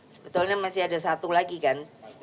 sebetulnya masih ada satu lagi kan